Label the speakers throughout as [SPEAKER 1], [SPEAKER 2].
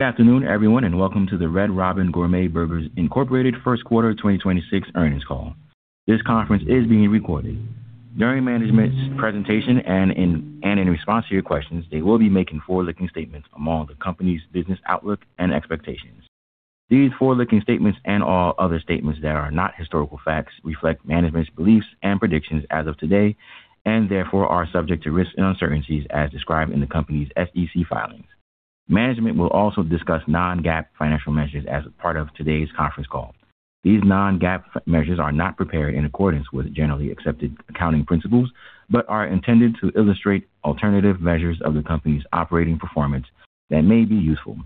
[SPEAKER 1] Good afternoon, everyone, and welcome to the Red Robin Gourmet Burgers, Inc. First Quarter 2026 Earnings Call. This conference is being recorded. During management's presentation and in response to your questions, they will be making forward-looking statements among the company's business outlook and expectations. These forward-looking statements and all other statements that are not historical facts reflect management's beliefs and predictions as of today, and therefore are subject to risks and uncertainties as described in the company's SEC filings. Management will also discuss non-GAAP financial measures as a part of today's conference call. These non-GAAP measures are not prepared in accordance with generally accepted accounting principles but are intended to illustrate alternative measures of the company's operating performance that may be useful.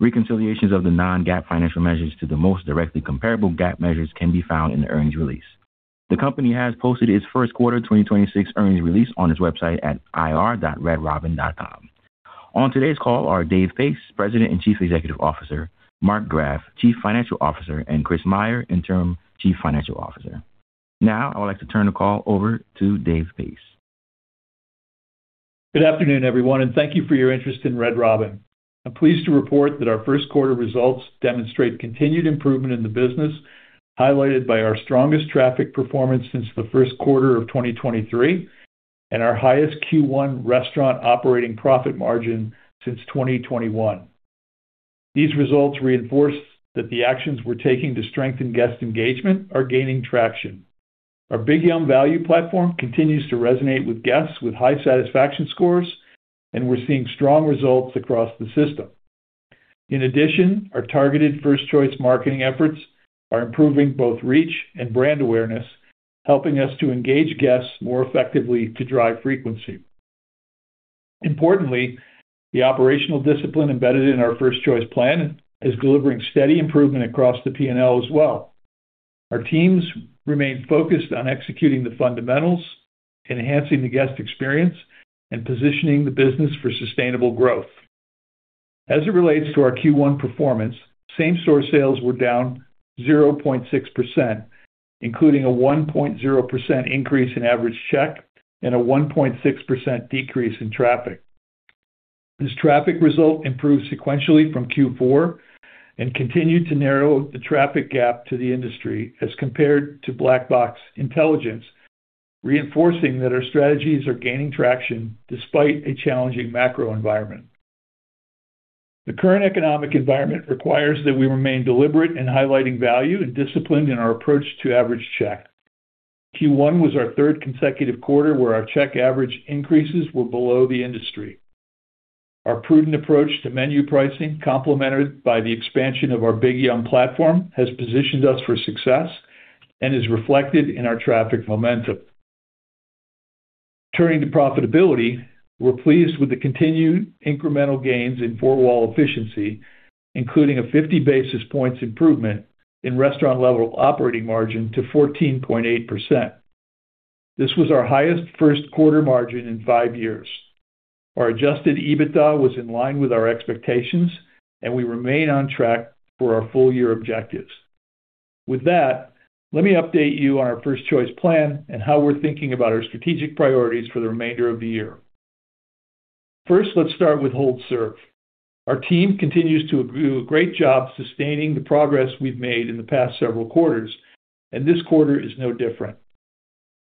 [SPEAKER 1] Reconciliations of the non-GAAP financial measures to the most directly comparable GAAP measures can be found in the earnings release. The company has posted its first-quarter 2026 earnings release on its website at ir.redrobin.com. On today's call are David Pace, President and Chief Executive Officer; Mark Graff, Chief Financial Officer; and Chris Meyer, Interim Chief Financial Officer. I would like to turn the call over to David Pace.
[SPEAKER 2] Good afternoon, everyone, and thank you for your interest in Red Robin. I'm pleased to report that our first-quarter results demonstrate continued improvement in the business, highlighted by our strongest traffic performance since the first quarter of 2023 and our highest Q1 restaurant operating profit margin since 2021. These results reinforce that the actions we're taking to strengthen guest engagement are gaining traction. Our Big Yummm value platform continues to resonate with guests with high satisfaction scores, and we're seeing strong results across the system. Our targeted "First Choice" marketing efforts are improving both reach and brand awareness, helping us to engage guests more effectively to drive frequency. Importantly, the operational discipline embedded in our First Choice plan is delivering steady improvement across the P&L as well. Our teams remain focused on executing the fundamentals, enhancing the guest experience, and positioning the business for sustainable growth. As it relates to our Q1 performance, same-store sales were down 0.6%, including a 1.0% increase in average check and a 1.6% decrease in traffic. This traffic result improved sequentially from Q4 and continued to narrow the traffic gap to the industry, as compared to Black Box Intelligence, reinforcing that our strategies are gaining traction despite a challenging macro environment. The current economic environment requires that we remain deliberate in highlighting value and discipline in our approach to average check. Q1 was our third consecutive quarter where our check average increases were below the industry. Our prudent approach to menu pricing, complemented by the expansion of our Big Yum platform, has positioned us for success and is reflected in our traffic momentum. Turning to profitability, we're pleased with the continued incremental gains in four-wall efficiency, including a 50-basis-points improvement in restaurant-level operating margin to 14.8%. This was our highest first quarter margin in five years. Our Adjusted EBITDA was in line with our expectations, and we remain on track for our full year objectives. With that, let me update you on our "First Choice" plan and how we're thinking about our strategic priorities for the remainder of the year. First, let's start with hold serve. Our team continues to do a great job sustaining the progress we've made in the past several quarters, and this quarter is no different.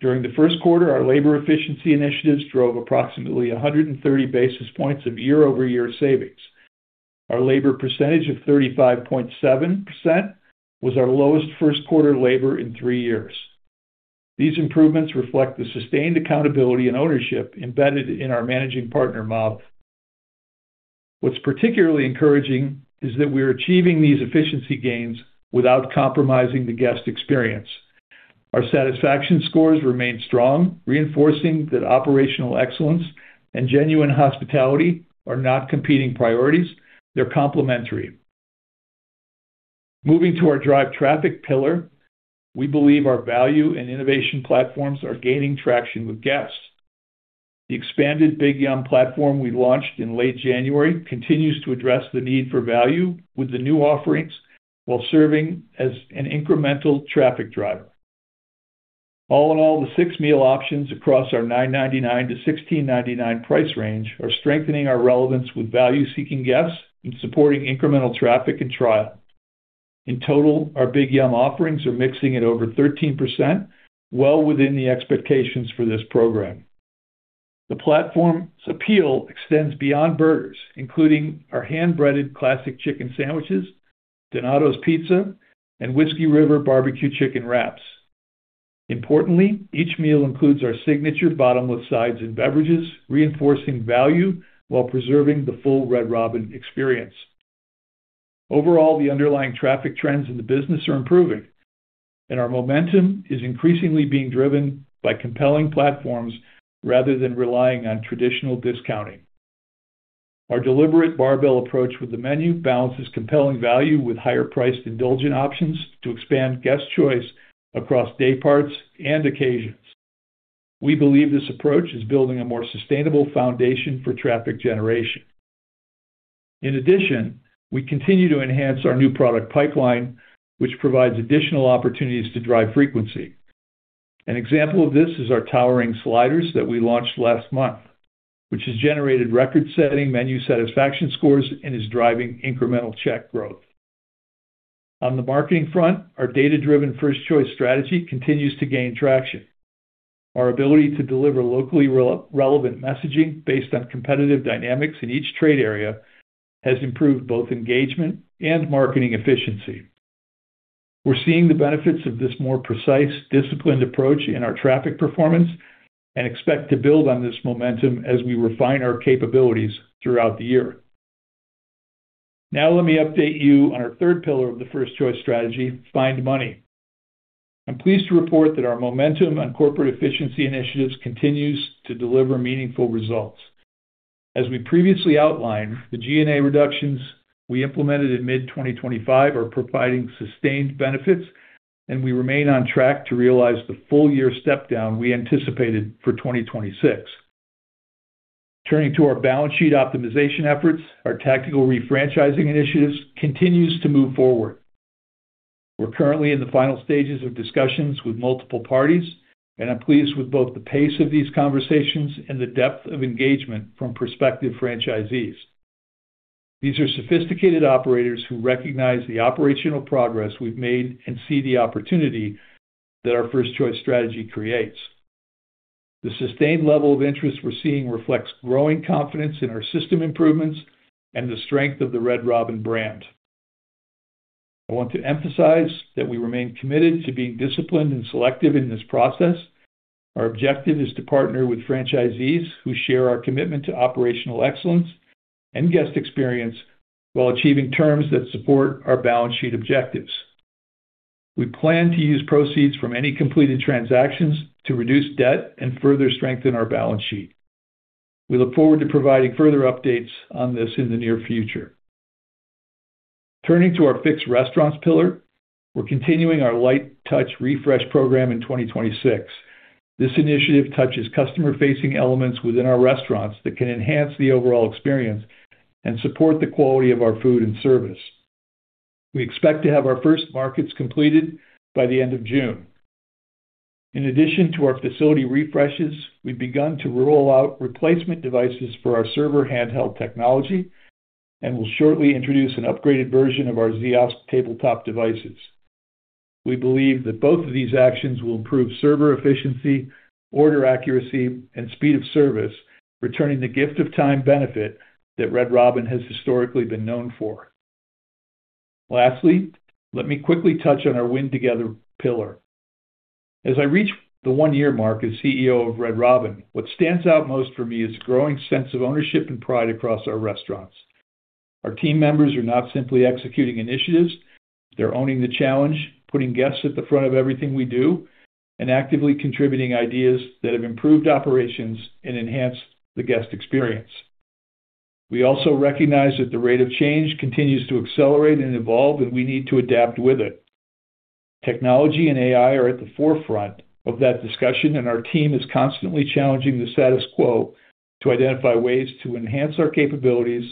[SPEAKER 2] During the first quarter, our labor efficiency initiatives drove approximately 130 basis points of year-over-year savings. Our labor percentage of 35.7% was our lowest first-quarter labor in three years. These improvements reflect the sustained accountability and ownership embedded in our managing partner model. What's particularly encouraging is that we are achieving these efficiency gains without compromising the guest experience. Our satisfaction scores remain strong, reinforcing that operational excellence and genuine hospitality are not competing priorities; they're complementary. Moving to our drive traffic pillar, we believe our value and innovation platforms are gaining traction with guests. The expanded Big Yummm platform we launched in late January continues to address the need for value with the new offerings while serving as an incremental traffic driver. All in all, the six meal options across our $9.99-$16.99 price range are strengthening our relevance with value-seeking guests and supporting incremental traffic and trial. In total, our Big Yummm offerings are mixing at over 13%, well within the expectations for this program. The platform's appeal extends beyond burgers, including our hand-breaded classic chicken sandwiches, Donatos Pizza, and Whiskey River Barbecue Chicken Wraps. Importantly, each meal includes our signature bottomless sides and beverages, reinforcing value while preserving the full Red Robin experience. Overall, the underlying traffic trends in the business are improving, and our momentum is increasingly being driven by compelling platforms rather than relying on traditional discounting. Our deliberate barbell approach with the menu balances compelling value with higher-priced, indulgent options to expand guest choice across day parts and occasions. We believe this approach is building a more sustainable foundation for traffic generation. In addition, we continue to enhance our new product pipeline, which provides additional opportunities to drive frequency. An example of this is our Towering Sliders that we launched last month, which has generated record-setting menu satisfaction scores and is driving incremental check growth. On the marketing front, our data-driven "First Choice" strategy continues to gain traction. Our ability to deliver locally relevant messaging based on competitive dynamics in each trade area has improved both engagement and marketing efficiency. We're seeing the benefits of this more precise, disciplined approach in our traffic performance and expect to build on this momentum as we refine our capabilities throughout the year. Now let me update you on our third pillar of the First Choice strategy, "Find Money". I'm pleased to report that our momentum on corporate efficiency initiatives continues to deliver meaningful results. As we previously outlined, the G&A reductions we implemented in mid-2025 are providing sustained benefits, and we remain on track to realize the full-year step-down we anticipated for 2026. Turning to our balance sheet optimization efforts, our tactical refranchising initiatives continues to move forward. We're currently in the final stages of discussions with multiple parties, and I'm pleased with both the pace of these conversations and the depth of engagement from prospective franchisees. These are sophisticated operators who recognize the operational progress we've made and see the opportunity that our "First Choice" strategy creates. The sustained level of interest we're seeing reflects growing confidence in our system improvements and the strength of the Red Robin brand. I want to emphasize that we remain committed to being disciplined and selective in this process. Our objective is to partner with franchisees who share our commitment to operational excellence and guest experience while achieving terms that support our balance sheet objectives. We plan to use proceeds from any completed transactions to reduce debt and further strengthen our balance sheet. We look forward to providing further updates on this in the near future. Turning to our fixed restaurants pillar, we're continuing our light-touch refresh program in 2026. This initiative touches customer-facing elements within our restaurants that can enhance the overall experience and support the quality of our food and service. We expect to have our first markets completed by the end of June. In addition to our facility refreshes, we've begun to roll out replacement devices for our server handheld technology and will shortly introduce an upgraded version of our Ziosk tabletop devices. We believe that both of these actions will improve server efficiency, order accuracy, and speed of service, returning the gift of time benefit that Red Robin has historically been known for. Lastly, let me quickly touch on our "Win Together" pillar. As I reach the one-year mark as CEO of Red Robin, what stands out most for me is a growing sense of ownership and pride across our restaurants. Our team members are not simply executing initiatives, they're owning the challenge, putting guests at the front of everything we do, and actively contributing ideas that have improved operations and enhanced the guest experience. We also recognize that the rate of change continues to accelerate and evolve, and we need to adapt with it. Technology and AI are at the forefront of that discussion, our team is constantly challenging the status quo to identify ways to enhance our capabilities,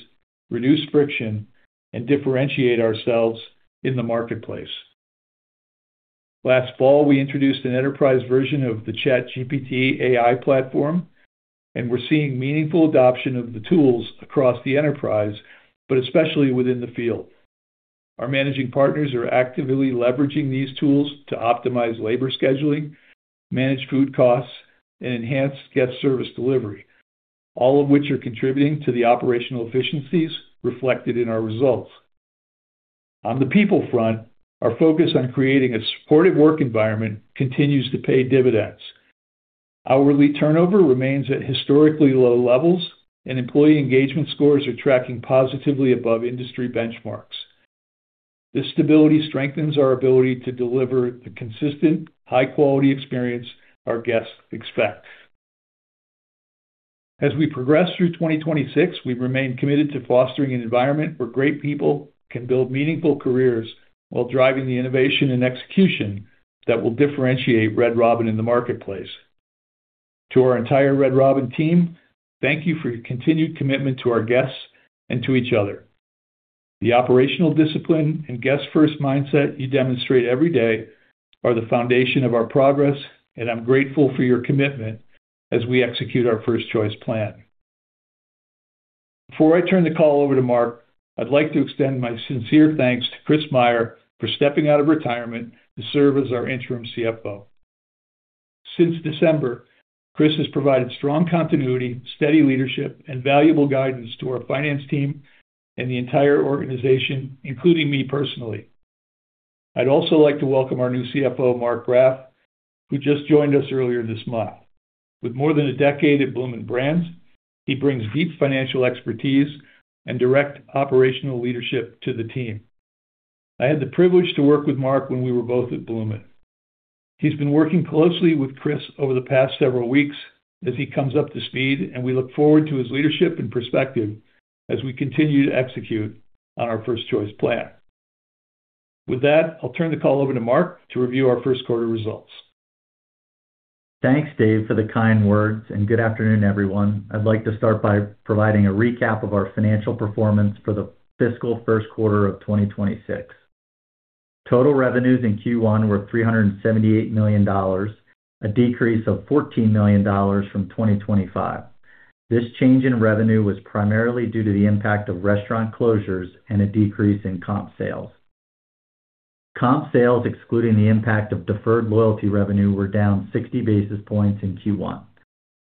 [SPEAKER 2] reduce friction, and differentiate ourselves in the marketplace. Last fall, we introduced an enterprise version of the ChatGPT AI platform, we're seeing meaningful adoption of the tools across the enterprise, but especially within the field. Our managing partners are actively leveraging these tools to optimize labor scheduling, manage food costs, and enhance guest service delivery, all of which are contributing to the operational efficiencies reflected in our results. On the people front, our focus on creating a supportive work environment continues to pay dividends. Hourly turnover remains at historically low levels, employee engagement scores are tracking positively above industry benchmarks. This stability strengthens our ability to deliver the consistent, high-quality experience our guests expect. As we progress through 2026, we remain committed to fostering an environment where great people can build meaningful careers while driving the innovation and execution that will differentiate Red Robin in the marketplace. To our entire Red Robin team, thank you for your continued commitment to our guests and to each other. The operational discipline and guest-first mindset you demonstrate every day are the foundation of our progress, and I'm grateful for your commitment as we execute our First Choice plan. Before I turn the call over to Mark, I'd like to extend my sincere thanks to Chris Meyer for stepping out of retirement to serve as our interim CFO. Since December, Chris has provided strong continuity, steady leadership, and valuable guidance to our finance team and the entire organization, including me personally. I'd also like to welcome our new CFO, Mark Graff, who just joined us earlier this month. With more than a decade at Bloomin' Brands, he brings deep financial expertise and direct operational leadership to the team. I had the privilege to work with Mark when we were both at Bloomin'. He's been working closely with Chris over the past several weeks as he comes up to speed, and we look forward to his leadership and perspective as we continue to execute on our First Choice plan. With that, I'll turn the call over to Mark to review our first quarter results.
[SPEAKER 3] Thanks, Dave, for the kind words, and good afternoon, everyone. I'd like to start by providing a recap of our financial performance for the fiscal first quarter of 2026. Total revenues in Q1 were $378 million, a decrease of $14 million from 2025. This change in revenue was primarily due to the impact of restaurant closures and a decrease in comp sales. Comp sales, excluding the impact of deferred loyalty revenue, were down 60 basis points in Q1.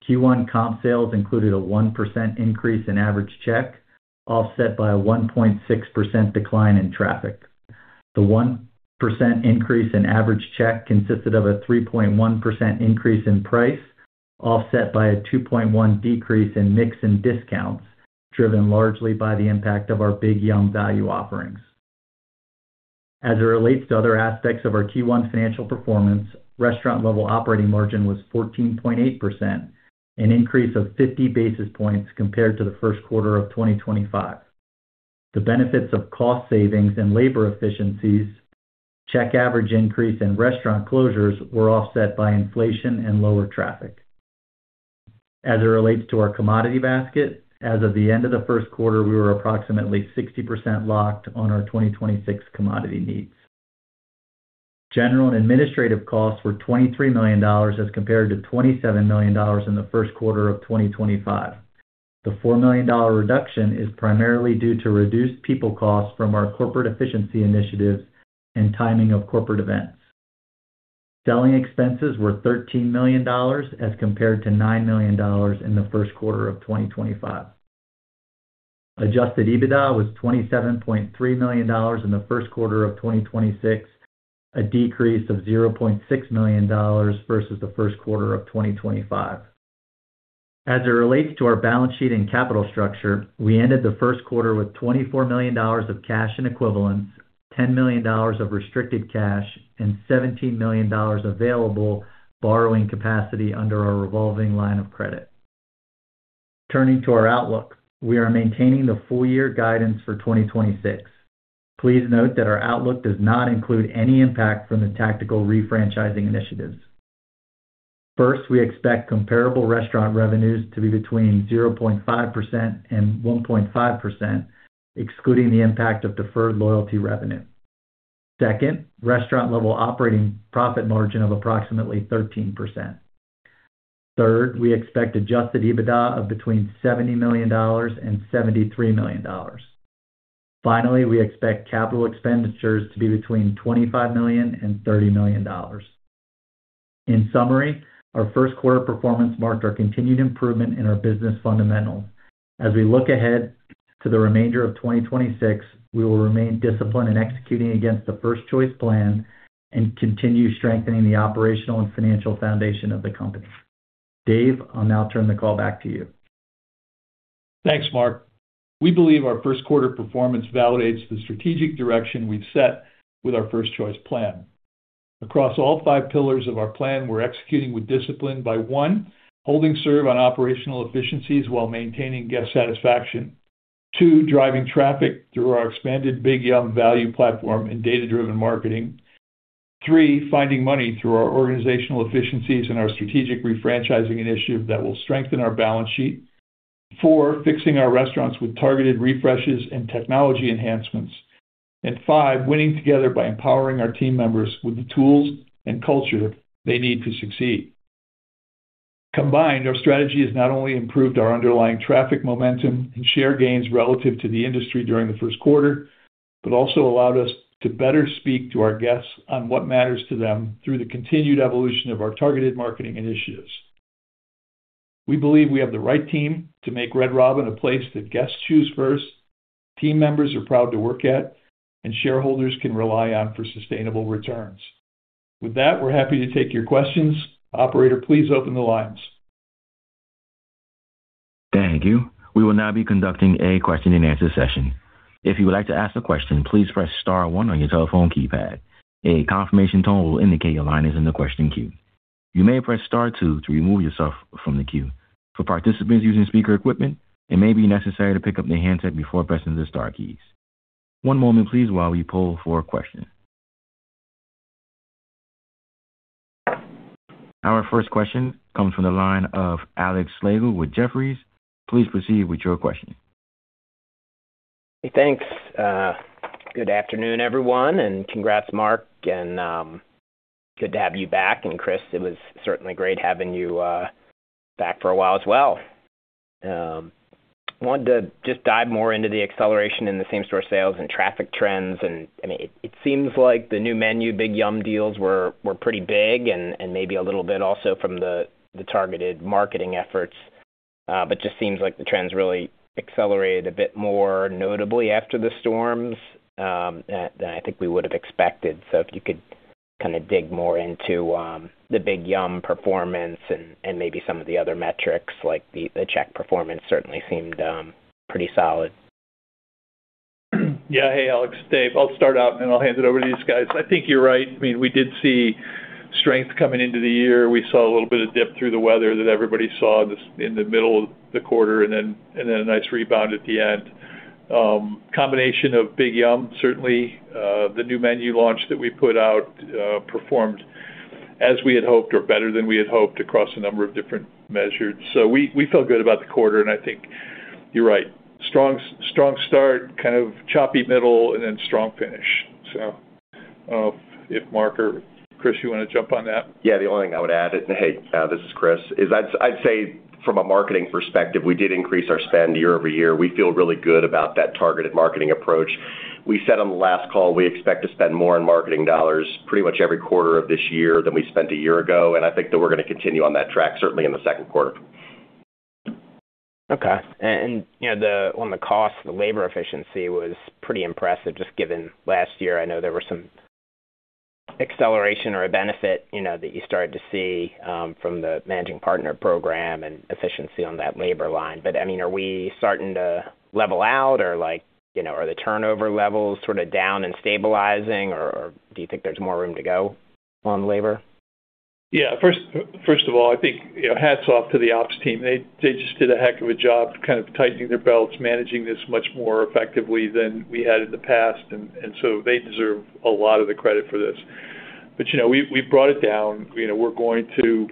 [SPEAKER 3] Q1 comp sales included a 1% increase in average check, offset by a 1.6% decline in traffic. The 1% increase in average check consisted of a 3.1% increase in price, offset by a 2.1% decrease in mix and discounts, driven largely by the impact of our Big YUMMM value offerings. As it relates to other aspects of our Q1 financial performance, restaurant-level operating margin was 14.8%, an increase of 50 basis points compared to the first quarter of 2025. The benefits of cost savings and labor efficiencies, check-average increase in restaurant closures were offset by inflation and lower traffic. As it relates to our commodity basket, as of the end of the first quarter, we were approximately 60% locked on our 2026 commodity needs. General and administrative costs were $23 million as compared to $27 million in the first quarter of 2025. The $4 million reduction is primarily due to reduced people costs from our corporate efficiency initiatives and timing of corporate events. Selling expenses were $13 million as compared to $9 million in the first quarter of 2025. Adjusted EBITDA was $27.3 million in the first quarter of 2026, a decrease of $0.6 million versus the first quarter of 2025. As it relates to our balance sheet and capital structure, we ended the first quarter with $24 million of cash and equivalents, $10 million of restricted cash, and $17 million available borrowing capacity under our revolving line of credit. Turning to our outlook, we are maintaining the full-year guidance for 2026. Please note that our outlook does not include any impact from the tactical refranchising initiatives. First, we expect comparable restaurant revenues to be between 0.5% and 1.5%, excluding the impact of deferred loyalty revenue. Second, restaurant-level operating profit margin of approximately 13%. Third, we expect Adjusted EBITDA of between $70 million and $73 million. Finally, we expect capital expenditures to be between $25 million and $30 million. In summary, our first quarter performance marked our continued improvement in our business fundamentals. As we look ahead to the remainder of 2026, we will remain disciplined in executing against the First Choice plan and continue strengthening the operational and financial foundation of the company. Dave, I'll now turn the call back to you.
[SPEAKER 2] Thanks, Mark. We believe our first quarter performance validates the strategic direction we've set with our First Choice plan. Across all five pillars of our plan, we're executing with discipline by: One, holding serve on operational efficiencies while maintaining guest satisfaction; Two, driving traffic through our expanded Big Yummm value platform and data-driven marketing; Three, finding money through our organizational efficiencies and our strategic refranchising initiative that will strengthen our balance sheet; Four, fixing our restaurants with targeted refreshes and technology enhancements; and five, winning together by empowering our team members with the tools and culture they need to succeed. Combined, our strategy has not only improved our underlying traffic momentum and share gains relative to the industry during the first quarter, but also allowed us to better speak to our guests on what matters to them through the continued evolution of our targeted marketing initiatives. We believe we have the right team to make Red Robin a place that guests choose first, team members are proud to work at, and shareholders can rely on for sustainable returns. With that, we're happy to take your questions. Operator, please open the lines.
[SPEAKER 1] Thank you. We will now be conducting a question-and-answer session. If you would like to ask a question, please press star one on your telephone keypad. A confirmation tone will indicate your line is in the question queue. You may press star two to remove yourself from the queue. For participants using speaker equipment, it may be necessary to pick up the handset before pressing the star keys. One moment, please, while we poll for a question. Our first question comes from the line of Alex Slagle with Jefferies. Please proceed with your question.
[SPEAKER 4] Hey, thanks, good afternoon, everyone, and congrats, Mark, and good to have you back. Chris, it was certainly great having you back for a while as well. Wanted to just dive more into the acceleration in the same-store sales and traffic trends. I mean, it seems like the new menu, Big Yummm Deals were pretty big and maybe a little bit also from the targeted marketing efforts. Just seems like the trends really accelerated a bit more notably after the storms than I think we would have expected. If you could kinda dig more into the Big Yummm performance and maybe some of the other metrics, like the check performance certainly seemed pretty solid.
[SPEAKER 2] Yeah. Hey, Alex, Dave. I'll start out, and then I'll hand it over to these guys. I think you're right. I mean, we did see strength coming into the year. We saw a little bit of dip through the weather that everybody saw this, in the middle of the quarter and then a nice rebound at the end. Combination of Big Yum, certainly, the new menu launch that we put out, performed as we had hoped or better than we had hoped across a number of different measures. We feel good about the quarter, and I think you're right. Strong start, kind of choppy middle, and then strong finish. I don't know if Mark or Chris, you wanna jump on that?
[SPEAKER 5] Yeah. The only thing I would add, and hey, this is Chris, I'd say from a marketing perspective, we did increase our spend year-over-year. We feel really good about that targeted marketing approach. We said on the last call we expect to spend more in marketing dollars pretty much every quarter of this year than we spent a year ago, I think that we're gonna continue on that track certainly in the second quarter.
[SPEAKER 4] Okay. You know, on the cost, the labor efficiency was pretty impressive just given last year. I know there were some acceleration or a benefit, you know, that you started to see from the managing partner program and efficiency on that labor line. I mean, are we starting to level out or like, you know, are the turnover levels sort of down and stabilizing, or do you think there's more room to go on labor?
[SPEAKER 2] Yeah. First of all, I think, you know, hats off to the ops team. They just did a heck of a job kind of tightening their belts, managing this much more effectively than we had in the past. They deserve a lot of the credit for this. You know, we brought it down. You know, we're going to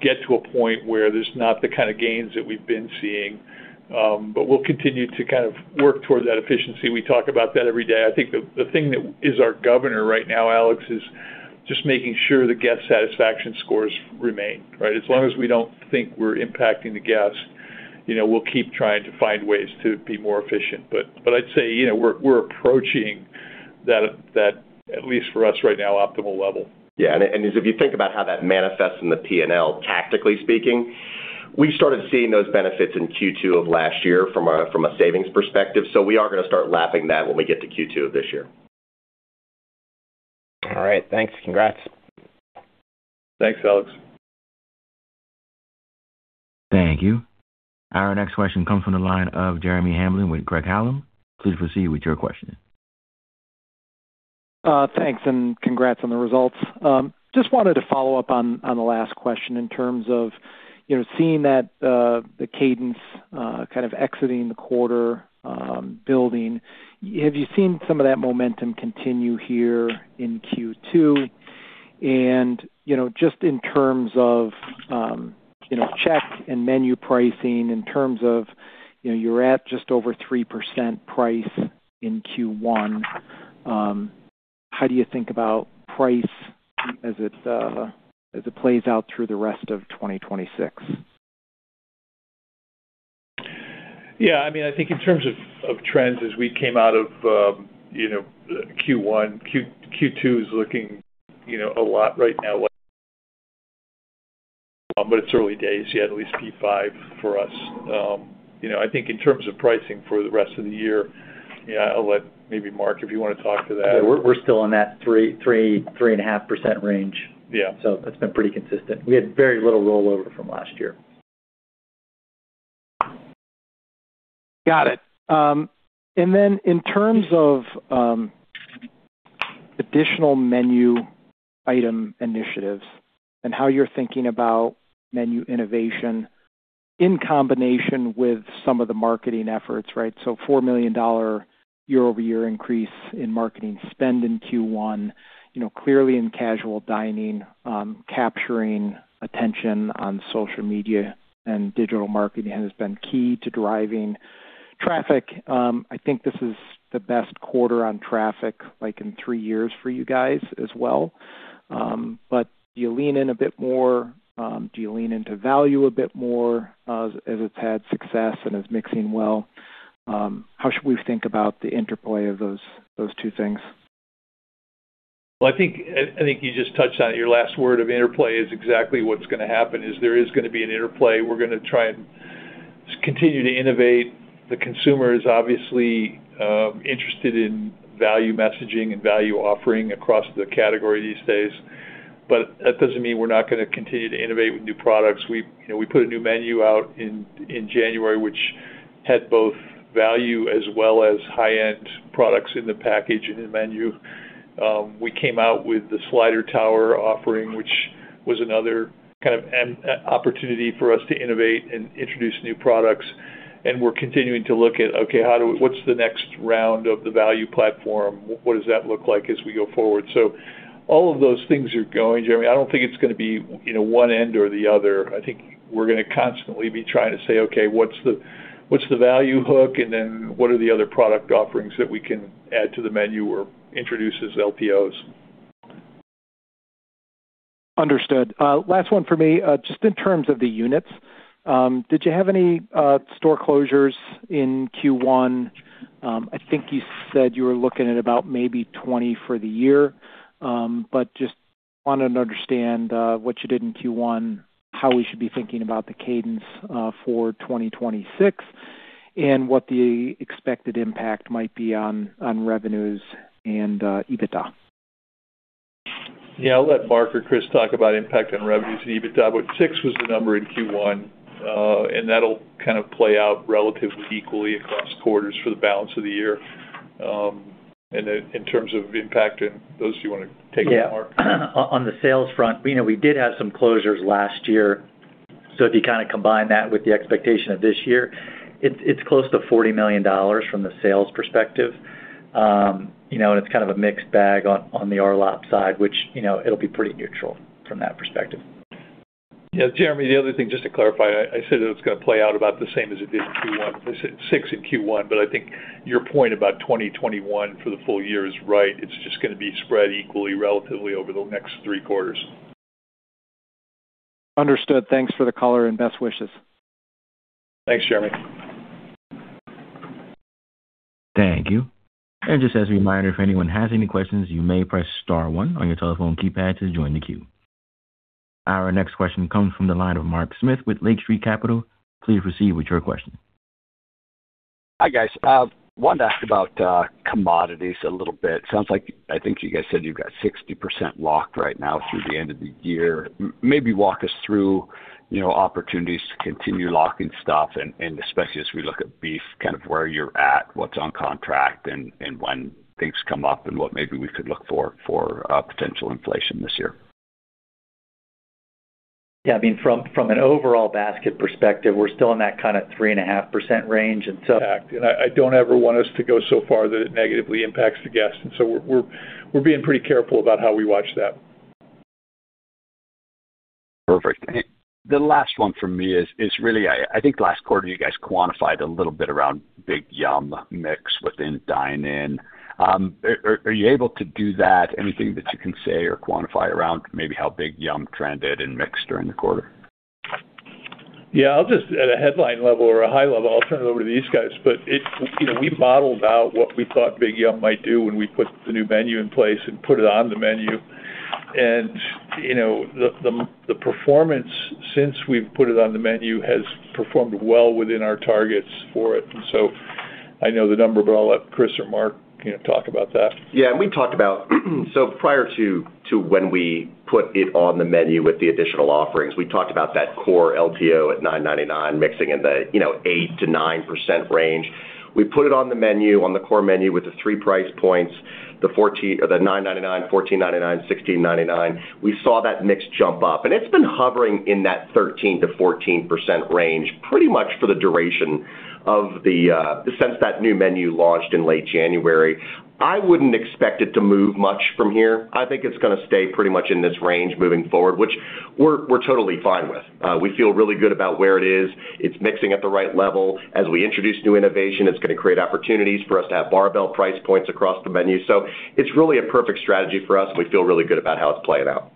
[SPEAKER 2] get to a point where there's not the kind of gains that we've been seeing, we'll continue to kind of work towards that efficiency. We talk about that every day. I think the thing that is our governor right now, Alex, is just making sure the guest satisfaction scores remain, right? As long as we don't think we're impacting the guests, you know, we'll keep trying to find ways to be more efficient. I'd say, you know, we're approaching that, at least for us right now, optimal level.
[SPEAKER 5] Yeah. If you think about how that manifests in the P&L tactically speaking, we started seeing those benefits in Q2 of last year from a savings perspective. We are gonna start lapping that when we get to Q2 of this year.
[SPEAKER 4] All right. Thanks. Congrats.
[SPEAKER 2] Thanks, Alex.
[SPEAKER 1] Thank you. Our next question comes from the line of Jeremy Hamblin with Craig-Hallum. Please proceed with your question.
[SPEAKER 6] Thanks, congrats on the results. Just wanted to follow up on the last question in terms of, you know, seeing that the cadence kind of exiting the quarter building. Have you seen some of that momentum continue here in Q2? You know, just in terms of, you know, check and menu pricing in terms of, you know, you're at just over 3% price in Q1, how do you think about price as it plays out through the rest of 2026?
[SPEAKER 2] Yeah. I mean, I think in terms of trends as we came out of, you know, Q1, Q2 is looking, you know, a lot right now like. It's early days yet, at least P5 for us. You know, I think in terms of pricing for the rest of the year, yeah, I'll let maybe Mark, if you wanna talk to that.
[SPEAKER 3] Yeah. We're still in that 3.5% range.
[SPEAKER 2] Yeah.
[SPEAKER 3] It's been pretty consistent. We had very little rollover from last year.
[SPEAKER 6] Got it. In terms of additional menu item initiatives and how you're thinking about menu innovation in combination with some of the marketing efforts, right? $4 million year-over-year increase in marketing spend in Q1. You know, clearly in casual dining, capturing attention on social media and digital marketing has been key to driving traffic. I think this is the best quarter on traffic like in three years for you guys as well. Do you lean in a bit more? Do you lean into value a bit more, as it's had success and is mixing well? How should we think about the interplay of those two things?
[SPEAKER 2] Well, I think, I think you just touched on it. Your last word of interplay is exactly what's gonna happen, is there is gonna be an interplay. We're gonna try and continue to innovate. The consumer is obviously interested in value messaging and value offering across the category these days. That doesn't mean we're not gonna continue to innovate with new products. We, you know, we put a new menu out in January, which had both value as well as high-end products in the package and in menu. We came out with the Towering Sliders offering, which was another kind of an opportunity for us to innovate and introduce new products. We're continuing to look at, okay, what's the next round of the value platform? What does that look like as we go forward? All of those things are going, Jeremy. I don't think it's going to be, you know, one end or the other. I think we're going to constantly be trying to say, "Okay, what's the value hook, and then what are the other product offerings that we can add to the menu or introduce as LTOs?
[SPEAKER 6] Understood. Last one for me. Just in terms of the units, did you have any store closures in Q1? I think you said you were looking at about maybe 20 for the year. Just wanted to understand what you did in Q1, how we should be thinking about the cadence for 2026, and what the expected impact might be on revenues and EBITDA.
[SPEAKER 2] Yeah. I'll let Mark or Chris talk about impact on revenues and EBITDA. Six was the number in Q1, that'll kind of play out relatively equally across quarters for the balance of the year. In terms of impact and those, do you wanna take it, Mark?
[SPEAKER 3] Yeah. On the sales front, we know we did have some closures last year. If you kind of combine that with the expectation of this year, it's close to $40 million from the sales perspective. You know, and it's kind of a mixed bag on the RLOPs side, which, you know, it'll be pretty neutral from that perspective.
[SPEAKER 2] Yeah, Jeremy, the other thing, just to clarify, I said that it's gonna play out about the same as it did in Q1. I said six in Q1, but I think your point about 2021 for the full year is right. It's just gonna be spread equally relatively over the next three quarters.
[SPEAKER 6] Understood. Thanks for the color and best wishes.
[SPEAKER 2] Thanks, Jeremy.
[SPEAKER 1] Thank you. Just as a reminder, if anyone has any questions, you may press star one on your telephone keypad to join the queue. Our next question comes from the line of Mark Smith with Lake Street Capital. Please proceed with your question.
[SPEAKER 7] Hi, guys. wanted to ask about commodities a little bit. Sounds like, I think you guys said you've got 60% locked right now through the end of the year. Maybe walk us through, you know, opportunities to continue locking stuff and especially as we look at beef, kind of where you're at, what's on contract, and when things come up and what maybe we could look for potential inflation this year.
[SPEAKER 3] Yeah, I mean, from an overall basket perspective, we're still in that kind of 3.5% range.
[SPEAKER 2] Yeah. I don't ever want us to go so far that it negatively impacts the guest. We're being pretty careful about how we watch that.
[SPEAKER 7] Perfect. The last one from me is really I think last quarter you guys quantified a little bit around Big Yummm mix within dine-in. Are you able to do that? Anything that you can say or quantify around maybe how Big Yum trended in mix during the quarter?
[SPEAKER 2] Yeah. I'll just at a headline level or a high level, I'll turn it over to these guys. You know, we modeled out what we thought Big Yummm might do when we put the new menu in place and put it on the menu. You know, the performance since we've put it on the menu has performed well within our targets for it. I know the number, but I'll let Chris or Mark, you know, talk about that.
[SPEAKER 5] Yeah. We've talked about, so prior to when we put it on the menu with the additional offerings, we talked about that core LTO at $9.99 mixing in the, you know, 8%-9% range. We put it on the menu, on the core menu, with the three price points, the $9.99, $14.99, $16.99. We saw that mix jump up. It's been hovering in that 13%-14% range pretty much for the duration of the since that new menu launched in late January. I wouldn't expect it to move much from here. I think it's gonna stay pretty much in this range moving forward, which we're totally fine with. We feel really good about where it is. It's mixing at the right level. As we introduce new innovation, it's gonna create opportunities for us to have barbell price points across the menu. It's really a perfect strategy for us. We feel really good about how it's playing out.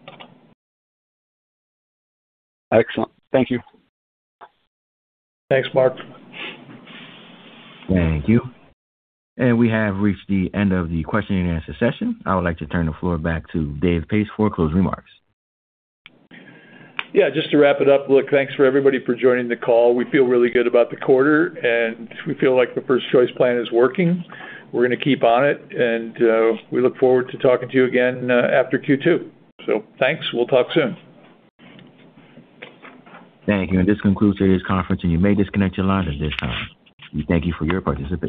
[SPEAKER 7] Excellent. Thank you.
[SPEAKER 2] Thanks, Mark.
[SPEAKER 1] Thank you. We have reached the end of the question and answer session. I would like to turn the floor back to David Pace for closing remarks.
[SPEAKER 2] Just to wrap it up, look, thanks for everybody for joining the call. We feel really good about the quarter, and we feel like the First Choice plan is working. We're gonna keep on it, we look forward to talking to you again after Q2. Thanks, we'll talk soon.
[SPEAKER 1] Thank you. This concludes today's conference, and you may disconnect your lines at this time. We thank you for your participation.